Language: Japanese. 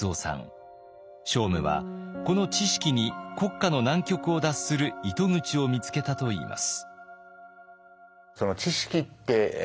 聖武はこの智識に国家の難局を脱する糸口を見つけたといいます。